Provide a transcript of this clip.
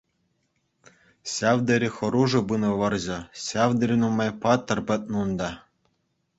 Ҫав тери хӑрушӑ пынӑ вӑрҫӑ, ҫав тери нумай паттӑр пӗтнӗ унта.